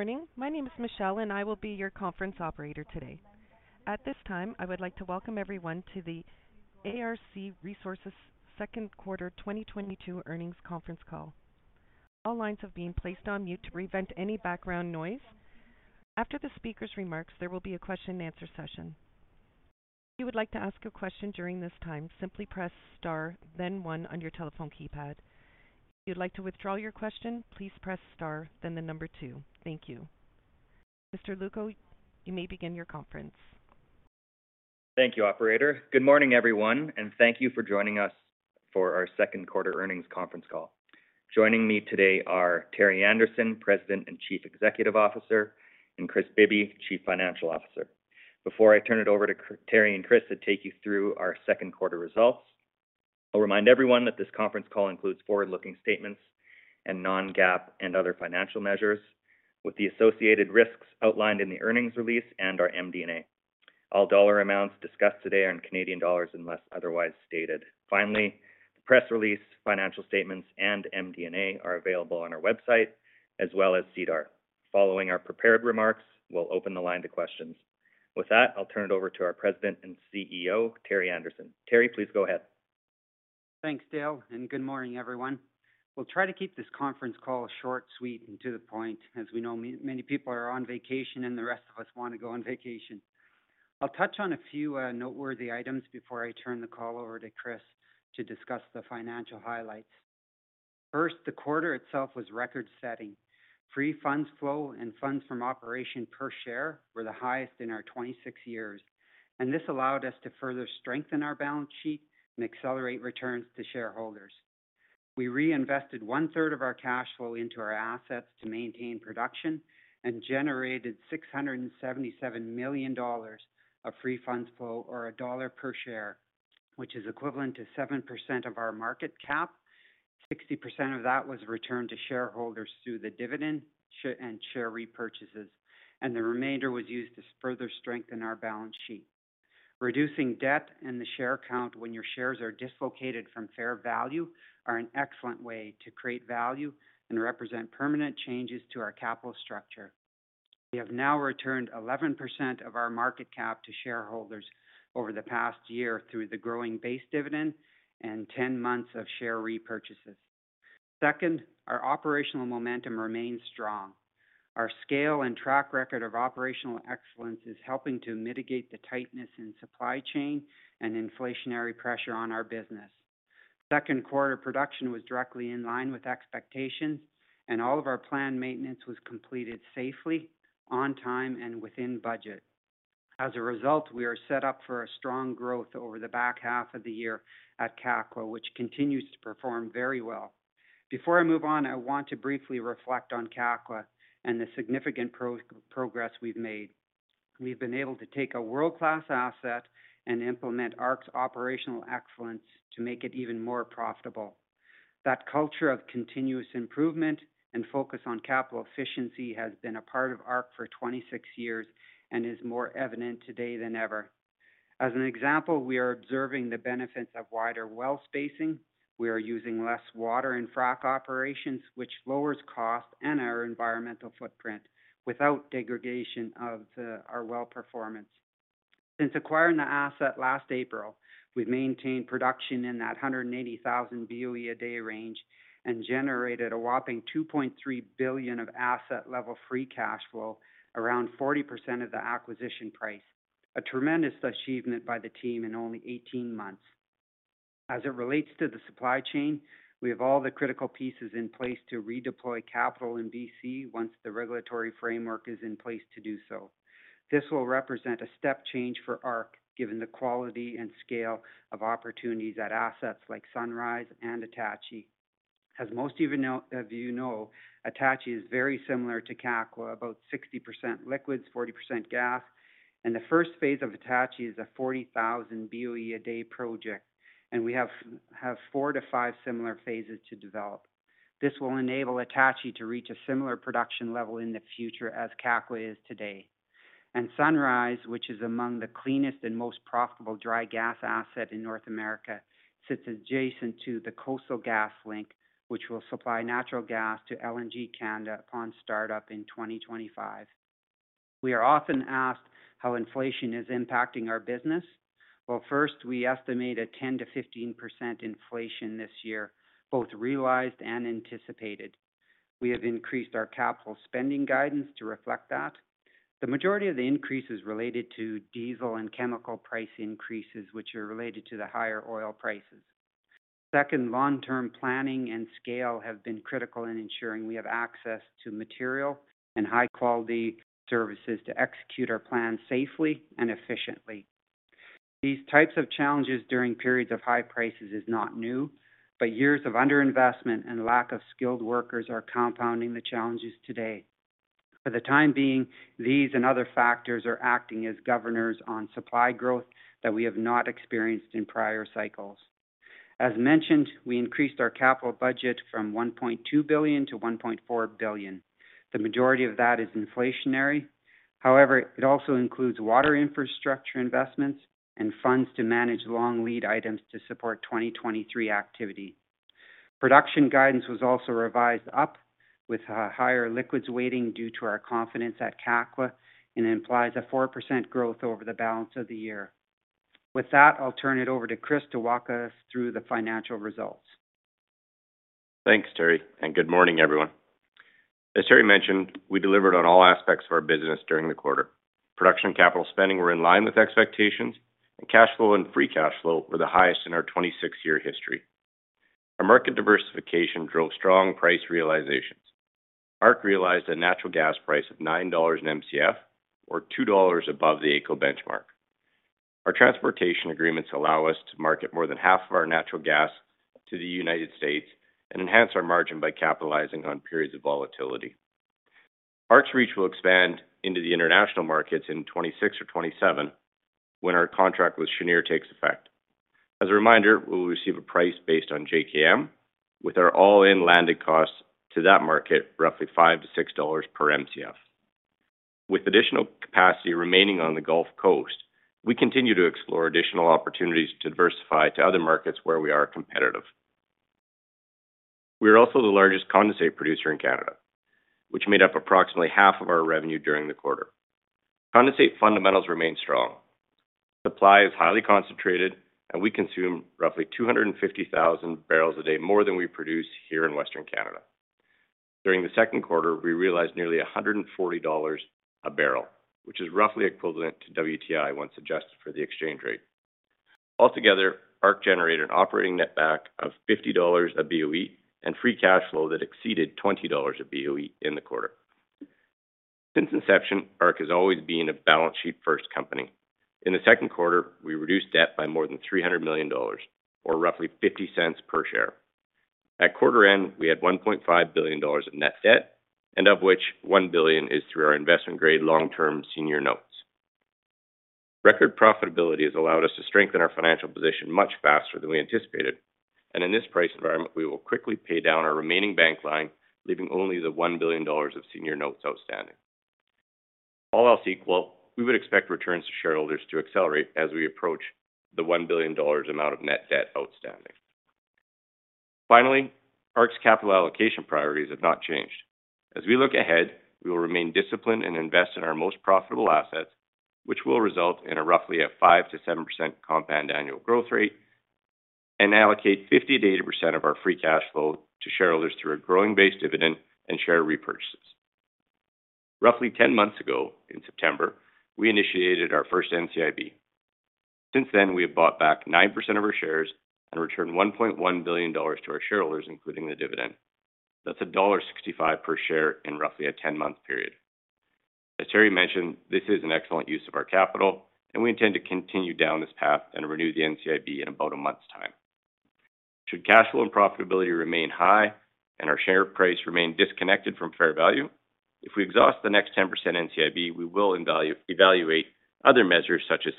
Morning. My name is Michelle, and I will be your conference operator today. At this time, I would like to welcome everyone to the ARC Resources second quarter 2022 earnings conference call. All lines have been placed on mute to prevent any background noise. After the speaker's remarks, there will be a question-and-answer session. If you would like to ask a question during this time, simply press star then one on your telephone keypad. If you'd like to withdraw your question, please press star, then the number two. Thank you. Mr. Lewko, you may begin your conference. Thank you, operator. Good morning, everyone, and thank you for joining us for our second quarter earnings conference call. Joining me today are Terry Anderson, President and Chief Executive Officer and Kris Bibby, Chief Financial Officer. Before I turn it over to Terry and Kris to take you through our second quarter results, I'll remind everyone that this conference call includes forward-looking statements and non-GAAP and other financial measures with the associated risks outlined in the earnings release and our MD&A. All dollar amounts discussed today are in Canadian dollars unless otherwise stated. Finally, the press release, financial statements and MD&A are available on our website as well as SEDAR. Following our prepared remarks, we'll open the line to questions. With that, I'll turn it over to our President and CEO, Terry Anderson. Terry please go ahead. Thanks, Dale, and good morning, everyone. We'll try to keep this conference call short, sweet, and to the point, as we know many people are on vacation and the rest of us want to go on vacation. I'll touch on a few noteworthy items before I turn the call over to Kris to discuss the financial highlights. First the quarter itself was record-setting. Free funds flow and funds from operations per share were the highest in our 26 years, and this allowed us to further strengthen our balance sheet and accelerate returns to shareholders. We reinvested 1/3 of our cash flow into our assets to maintain production and generated 677 million dollars of free funds flow or CAD 1 per share, which is equivalent to 7% of our market cap. 60% of that was returned to shareholders through the dividend and share repurchases, and the remainder was used to further strengthen our balance sheet. Reducing debt and the share count when your shares are dislocated from fair value are an excellent way to create value and represent permanent changes to our capital structure. We have now returned 11% of our market cap to shareholders over the past year through the growing base dividend and 10 months of share repurchases. Second our operational momentum remains strong. Our scale and track record of operational excellence is helping to mitigate the tightness in supply chain and inflationary pressure on our business. Second quarter production was directly in line with expectations, and all of our planned maintenance was completed safely, on time, and within budget. As a result, we are set up for a strong growth over the back half of the year at Kakwa, which continues to perform very well. Before I move on, I want to briefly reflect on Kakwa and the significant progress we've made. We've been able to take a world-class asset and implement ARC's operational excellence to make it even more profitable. That culture of continuous improvement and focus on capital efficiency has been a part of ARC for 26 years and is more evident today than ever. As an example, we are observing the benefits of wider well spacing. We are using less water in frack operations, which lowers cost and our environmental footprint without degradation of our well performance. Since acquiring the asset last April, we've maintained production in that 180,000 BOE a day range and generated a whopping 2.3 billion of asset level free cash flow, around 40% of the acquisition price. A tremendous achievement by the team in only 18 months. As it relates to the supply chain, we have all the critical pieces in place to redeploy capital in BC once the regulatory framework is in place to do so. This will represent a step change for ARC, given the quality and scale of opportunities at assets like Sunrise and Attachie. As most of you know Attachie is very similar to Kakwa, about 60% liquids, 40% gas, and the first phase of Attachie is a 40,000 BOE a day project, and we have four to five similar phases to develop. This will enable Attachie to reach a similar production level in the future as Kakwa is today. Sunrise, which is among the cleanest and most profitable dry gas asset in North America, sits adjacent to the Coastal GasLink which will supply natural gas to LNG Canada upon startup in 2025. We are often asked how inflation is impacting our business. Well, first, we estimate a 10%-15% inflation this year, both realized and anticipated. We have increased our capital spending guidance to reflect that. The majority of the increase is related to diesel and chemical price increases which are related to the higher oil prices. Second, long-term planning and scale have been critical in ensuring we have access to material and high-quality services to execute our plan safely and efficiently. These types of challenges during periods of high prices is not new, but years of underinvestment and lack of skilled workers are compounding the challenges today. For the time being these and other factors are acting as governors on supply growth that we have not experienced in prior cycles. As mentioned, we increased our capital budget from 1.2 billion-1.4 billion. The majority of that is inflationary. However, it also includes water infrastructure investments and funds to manage long lead items to support 2023 activity. Production guidance was also revised up with a higher liquids weighting due to our confidence at Kakwa and implies a 4% growth over the balance of the year. With that, I'll turn it over to Kris to walk us through the financial results. Thanks, Terry, and good morning, everyone. As Terry mentioned, we delivered on all aspects of our business during the quarter. Production capital spending were in line with expectations, and cash flow and free cash flow were the highest in our 26-year history. Our market diversification drove strong price realizations. ARC realized a natural gas price of 9 dollars/Mcf or 2 dollars above the AECO benchmark. Our transportation agreements allow us to market more than half of our natural gas to the United States and enhance our margin by capitalizing on periods of volatility. ARC's reach will expand into the international markets in 2026 or 2027 when our contract with Cheniere takes effect. As a reminder, we will receive a price based on JKM with our all-in landing costs to that market roughly 5-6 dollars/Mcf. With additional capacity remaining on the Gulf Coast, we continue to explore additional opportunities to diversify to other markets where we are competitive. We are also the largest condensate producer in Canada, which made up approximately half of our revenue during the quarter. Condensate fundamentals remain strong. Supply is highly concentrated, and we consume roughly 250,000 bbls a day more than we produce here in Western Canada. During the second quarter, we realized nearly $140/bbl which is roughly equivalent to WTI once adjusted for the exchange rate. Altogether, ARC generated an operating netback of $50 a BOE and free cash flow that exceeded $20 a BOE in the quarter. Since inception, ARC has always been a balance sheet-first company. In the second quarter, we reduced debt by more than 300 million dollars or roughly 0.50 per share. At quarter end, we had 1.5 billion dollars of net debt, of which 1 billion is through our investment grade long-term senior notes. Record profitability has allowed us to strengthen our financial position much faster than we anticipated. In this price environment, we will quickly pay down our remaining bank line, leaving only the 1 billion dollars of senior notes outstanding. All else equal, we would expect returns to shareholders to accelerate as we approach the 1 billion dollars amount of net debt outstanding. Finally, ARC's capital allocation priorities have not changed. As we look ahead, we will remain disciplined and invest in our most profitable assets, which will result in roughly a 5%-7% compound annual growth rate and allocate 50%-80% of our free cash flow to shareholders through a growing base dividend and share repurchases. Roughly 10 months ago, in September, we initiated our first NCIB. Since then we have bought back 9% of our shares and returned 1.1 billion dollars to our shareholders, including the dividend. That's dollar 1.65 per share in roughly a 10-month period. As Terry mentioned, this is an excellent use of our capital, and we intend to continue down this path and renew the NCIB in about a month's time. Should cash flow and profitability remain high and our share price remain disconnected from fair value, if we exhaust the next 10% NCIB, we will evaluate other measures such as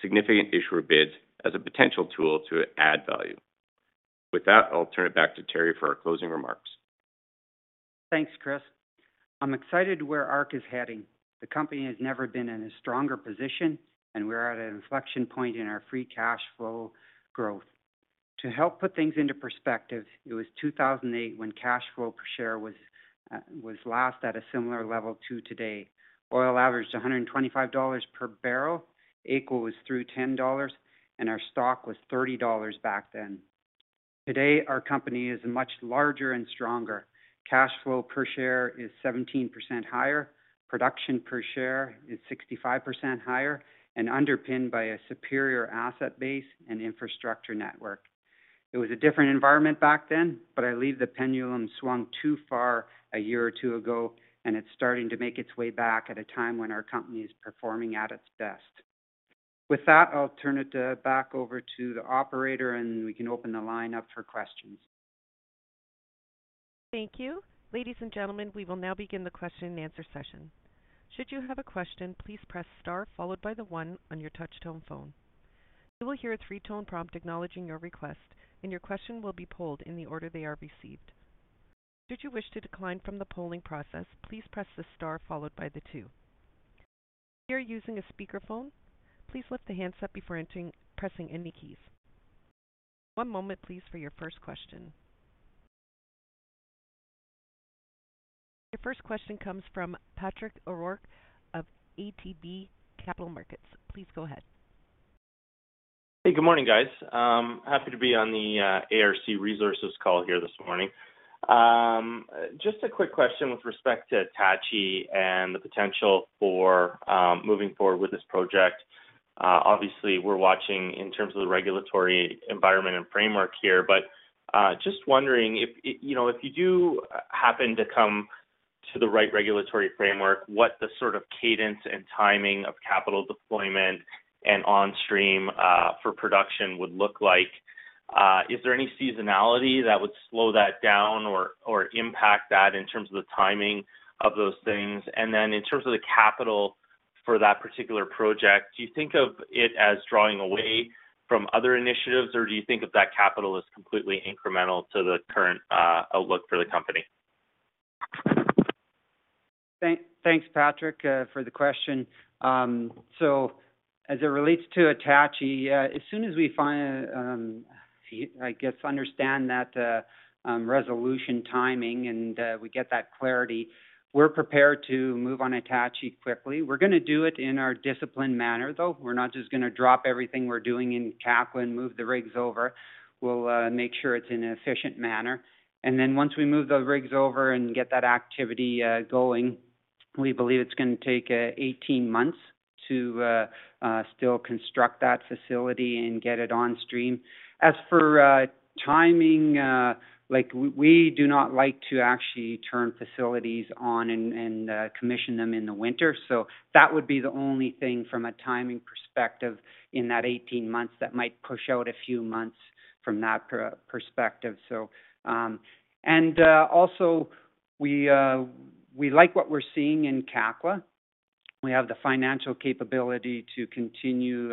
significant issuer bids as a potential tool to add value. With that I'll turn it back to Terry for our closing remarks. Thanks, Kris. I'm excited where ARC is heading. The company has never been in a stronger position, and we're at an inflection point in our free cash flow growth. To help put things into perspective it was 2008 when cash flow per share was last at a similar level to today. Oil averaged $125/bbl AECO was through 10 dollars, and our stock was 30 dollars back then. Today our company is much larger and stronger. Cash flow per share is 17% higher, production per share is 65% higher and underpinned by a superior asset base and infrastructure network. It was a different environment back then, but I believe the pendulum swung too far a year or two ago, and it's starting to make its way back at a time when our company is performing at its best. With that, I'll turn it back over to the operator and we can open the line up for questions. Thank you. Ladies and gentlemen, we will now begin the question-and-answer session. Should you have a question, please press star followed by the one on your touch tone phone. You will hear a three-tone prompt acknowledging your request, and your question will be polled in the order they are received. Should you wish to decline from the polling process, please press the star followed by the two. If you are using a speakerphone, please lift the handset before pressing any keys. One moment please, for your first question. Your first question comes from Patrick O'Rourke of ATB Capital Markets. Please go ahead. Hey, good morning, guys. Happy to be on the ARC Resources call here this morning. Just a quick question with respect to Attachie and the potential for moving forward with this project. Obviously, we're watching in terms of the regulatory environment and framework here, but just wondering if, you know, if you do happen to come to the right regulatory framework, what the sort of cadence and timing of capital deployment and on stream for production would look like? Is there any seasonality that would slow that down or impact that in terms of the timing of those things? And then in terms of the capital for that particular project do you think of it as drawing away from other initiatives, or do you think of that capital as completely incremental to the current outlook for the company? Thanks, Patrick, for the question. So as it relates to Attachie, as soon as we understand that resolution timing and we get that clarity, we're prepared to move on Attachie quickly. We're gonna do it in our disciplined manner, though. We're not just gonna drop everything we're doing in Kakwa and move the rigs over. We'll make sure it's in an efficient manner. Once we move those rigs over and get that activity going, we believe it's gonna take 18 months to still construct that facility and get it on stream. As for timin we do not like to actually turn facilities on and commission them in the winter. That would be the only thing from a timing perspective in that 18 months that might push out a few months from that perspective. We like what we're seeing in Kakwa. We have the financial capability to continue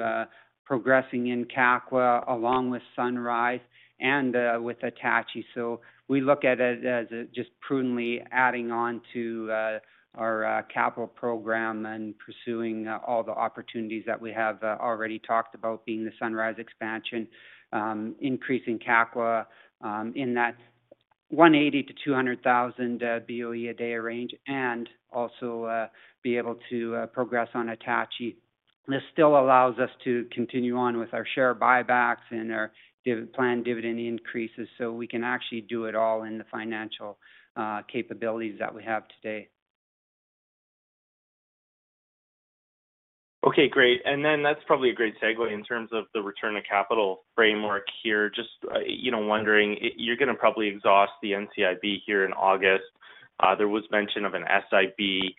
progressing in Kakwa along with Sunrise and with Attachie. We look at it as just prudently adding on to our capital program and pursuing all the opportunities that we have already talked about, being the Sunrise expansion, increasing Kakwa in that 180,000 BOE-200,000 BOE a day range, and also be able to progress on Attachie. This still allows us to continue on with our share buybacks and our planned dividend increases, so we can actually do it all in the financial capabilities that we have today. Okay, great. That's probably a great segue in terms of the return of capital framework here. Just, you know, wondering, you're gonna probably exhaust the NCIB here in August. There was mention of an SIB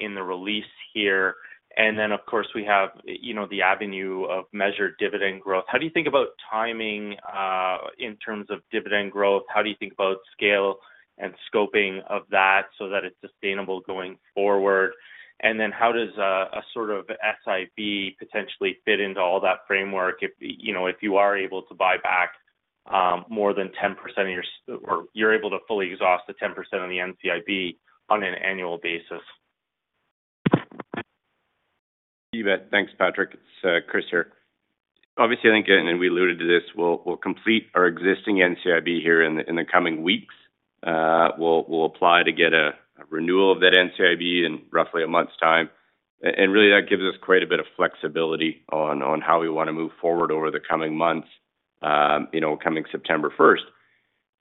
in the release here. Of course, we have, you know, the avenue of measured dividend growth. How do you think about timing in terms of dividend growth? How do you think about scale and scoping of that so that it's sustainable going forward? How does a sort of SIB potentially fit into all that framework if, you know, if you are able to buy back more than 10% or you're able to fully exhaust the 10% of the NCIB on an annual basis? You bet. Thanks, Patrick. It's Kris here. Obviously, I think, and we alluded to this, we'll complete our existing NCIB here in the coming weeks. We'll apply to get a renewal of that NCIB in roughly a month's time. And really that gives us quite a bit of flexibility on how we wanna move forward over the coming months, you know, coming September 1st.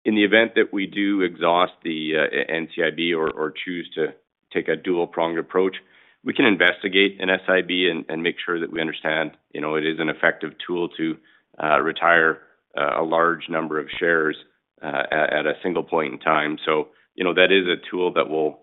In the event that we do exhaust the NCIB, or choose to take a dual pronged approach, we can investigate an SIB and make sure that we understand, you know, it is an effective tool to retire a large number of shares at a single point in time. You know, that is a tool that we'll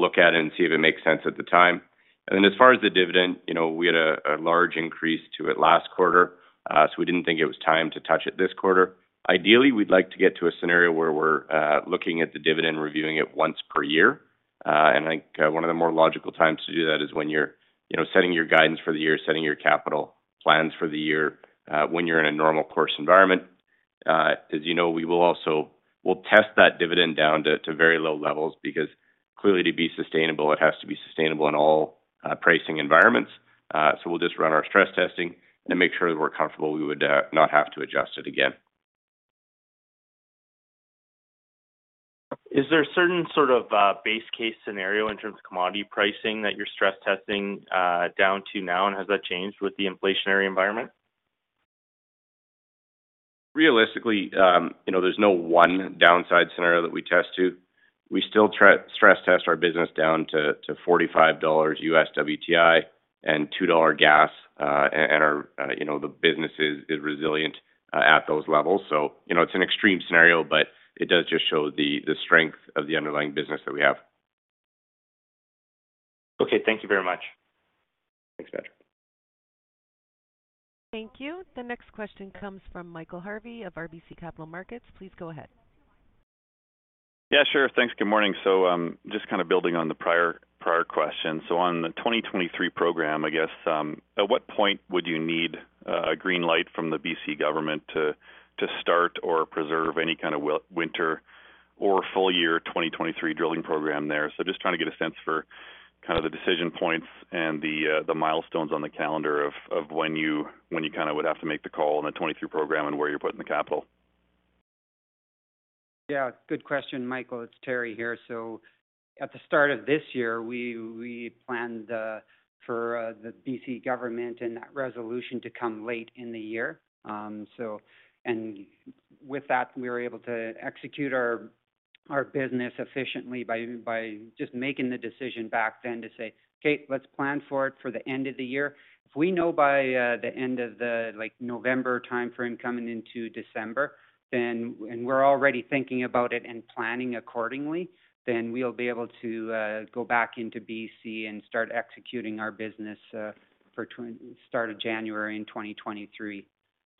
look at and see if it makes sense at the time. As far as the dividend, you know, we had a large increase to it last quarter, so we didn't think it was time to touch it this quarter. Ideally, we'd like to get to a scenario where we're looking at the dividend and reviewing it once per year. I think one of the more logical times to do that is when you're, you know, setting your guidance for the year, setting your capital plans for the year, when you're in a normal course environment. As you know, we'll test that dividend down to very low levels because clearly to be sustainable, it has to be sustainable in all pricing environments. We'll just run our stress testing and make sure that we're comfortable we would not have to adjust it again. Is there a certain sort of base case scenario in terms of commodity pricing that you're stress testing down to now, and has that changed with the inflationary environment? Realistically, you know, there's no one downside scenario that we test to. We still stress test our business down to $45 WTI and $2 gas, and our, you know, the business is resilient at those levels. You know, it's an extreme scenario but it does just show the strength of the underlying business that we have. Okay. Thank you very much. Thanks, Patrick. Thank you. The next question comes from Michael Harvey of RBC Capital Markets. Please go ahead. Yeah, sure. Thanks. Good morning. Just kinda building on the prior question. On the 2023 program, I guess at what point would you need a green light from the B.C. government to start or preserve any kind of winter or full year 2023 drilling program there? Just trying to get a sense for kind of the decision points and the milestones on the calendar of when you kinda would have to make the call on the 2023 program and where you're putting the capital. Yeah, good question, Michael. It's Terry here. At the start of this year we planned for the B.C. government and that resolution to come late in the year. With that, we were able to execute our business efficiently by just making the decision back then to say, "Okay, let's plan for it for the end of the year." If we know by the end of, like, the November timeframe coming into December, then we're already thinking about it and planning accordingly, then we'll be able to go back into BC and start executing our business for start of January in 2023.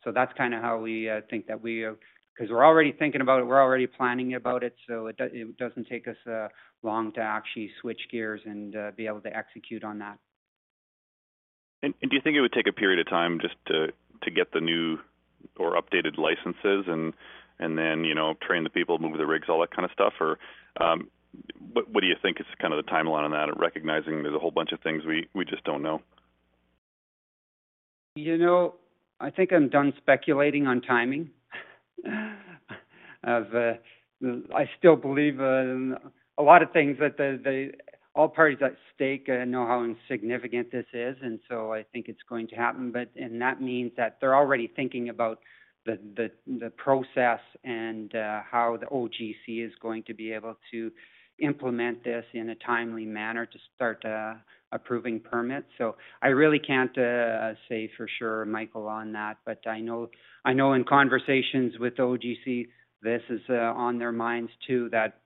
That's kinda how we think that we. 'Cause we're already thinking about it we're already planning about it, so it doesn't take us long to actually switch gears and be able to execute on that. Do you think it would take a period of time just to get the new or updated licenses and then, you know, train the people, move the rigs, all that kind of stuff? What do you think is kind of the timeline on that, recognizing there's a whole bunch of things we just don't know? You know, I think I'm done speculating on timing. I still believe in a lot of things that the all parties at stake know how insignificant this is, and so I think it's going to happen. That means that they're already thinking about the process and how the OGC is going to be able to implement this in a timely manner to start approving permits. I really can't say for sure Michael on that. I know in conversations with OGC, this is on their minds too that,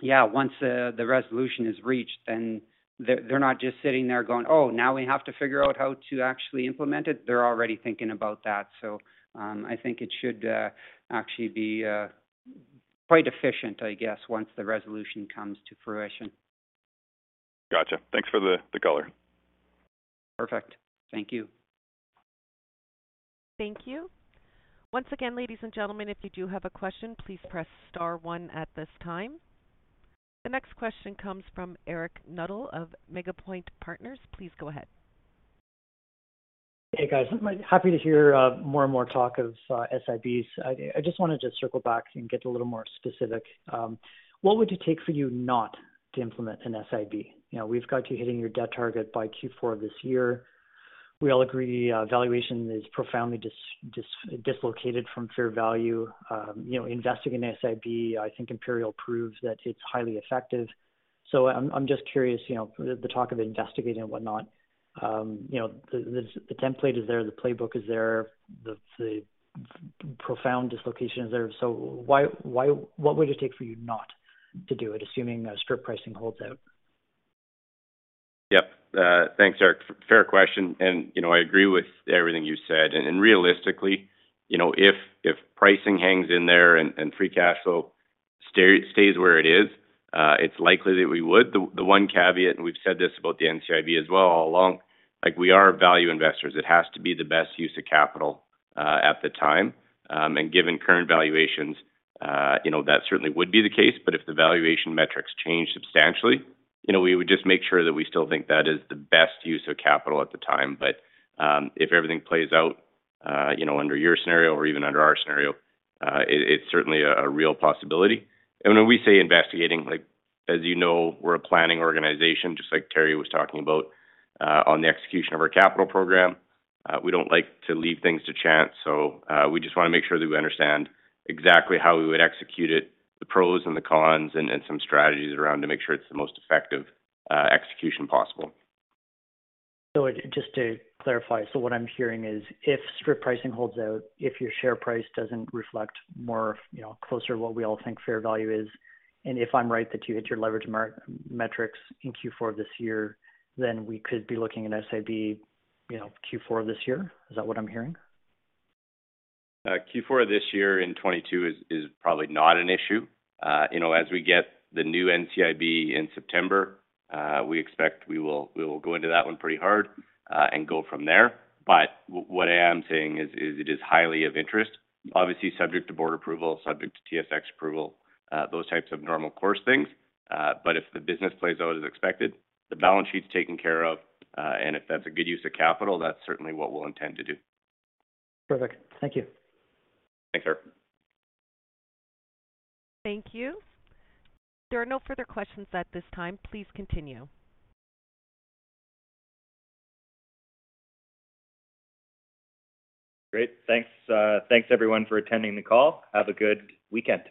yeah, once the resolution is reached, then they're not just sitting there going, "Oh, now we have to figure out how to actually implement it." They're already thinking about that. I think it should actually be quite efficient, I guess, once the resolution comes to fruition. Gotcha. Thanks for the color. Perfect. Thank you. Thank you. Once again, ladies and gentlemen if you do have a question, please press star one at this time. The next question comes from Eric Nuttall of Ninepoint Partners. Please go ahead. Hey, guys. I'm happy to hear more and more talk of SIBs. I just wanted to circle back and get a little more specific. What would it take for you not to implement an SIB? You know, we've got you hitting your debt target by Q4 of this year. We all agree valuation is profoundly dislocated from fair value. You know, investing in SIB, I think Imperial proves that it's highly effective. So I'm just curious, you know, the talk of investigating and whatnot. You know, the template is there, the playbook is there, the profound dislocation is there. So why, what would it take for you not to do it, assuming strip pricing holds out? Yep. Thanks, Eric. Fair question. You know, I agree with everything you said. Realistically, you know, if pricing hangs in there and free cash flow stays where it is, it's likely that we would. The one caveat we've said this about the NCIB as well all along, like we are value investors, it has to be the best use of capital at the time. Given current valuations, you know, that certainly would be the case. If the valuation metrics change substantially, you know, we would just make sure that we still think that is the best use of capital at the time. If everything plays out, you know, under your scenario or even under our scenario, it's certainly a real possibility. When we say investigating as you know, we're a planning organization, just like Terry was talking about on the execution of our capital program. We don't like to leave things to chance. We just wanna make sure that we understand exactly how we would execute it, the pros and the cons, and some strategies around to make sure it's the most effective execution possible. Just to clarify, what I'm hearing is if strip pricing holds out, if your share price doesn't reflect more, you know, closer to what we all think fair value is, and if I'm right that you hit your leverage metrics in Q4 of this year, then we could be looking at SIB, you know, Q4 of this year. Is that what I'm hearing? Q4 this year in 2022 is probably not an issue. You know, as we get the new NCIB in September, we expect we will go into that one pretty hard, and go from there. What I am saying is it is highly of interest, obviously subject to board approval, subject to TSX approval those types of normal course things. If the business plays out as expected, the balance sheet's taken care of, and if that's a good use of capital, that's certainly what we'll intend to do. Perfect. Thank you. Thanks, Eric. Thank you. There are no further questions at this time. Please continue. Great. Thanks everyone for attending the call. Have a good weekend.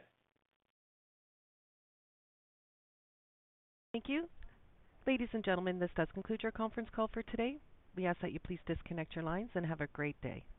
Thank you. Ladies and gentlemen, this does conclude your conference call for today. We ask that you please disconnect your lines and have a great day.